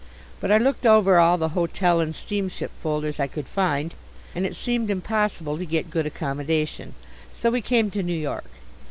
But I looked over all the hotel and steamship folders I could find and it seemed impossible to get good accommodation, so we came to New York.